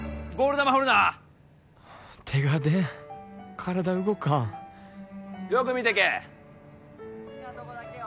球振るな手が出ん体動かんよく見てけ・好きなとこだけよ